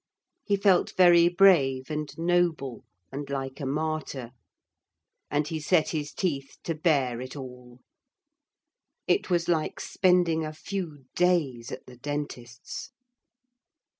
He felt very brave and noble, and like a martyr. And he set his teeth to bear it all. It was like spending a few days at the dentist's.